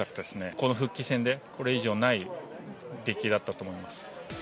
この復帰戦で、これ以上ない出来だったと思います。